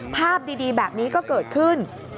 ภาพดีแบบนี้ก็เกิดขึ้น